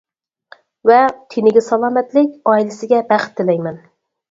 ۋە تېنىگە سالامەتلىك، ئائىلىسىگە بەخت تىلەيمەن!